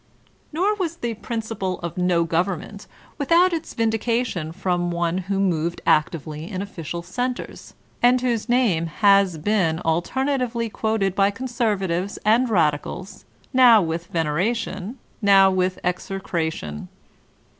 Nor was the principle of no government without its vindication from one who moved actively in official cen ters, and whose name has been alternately quoted by conservatives and radicals, now with veneration, now with execration.